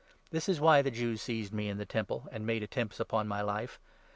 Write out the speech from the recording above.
This is why the Jews seized me in the Temple, and made 21 attempts upon my life.